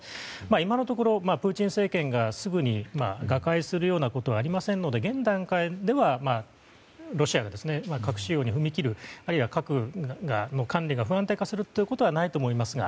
今のところ、プーチン政権がすぐに瓦解するようなことはありませんので現段階ではロシアが核使用に踏み切るあるいは核の管理が不安定化することはないと思いますが